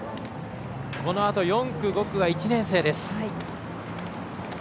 このあと、４区、５区が１年生です。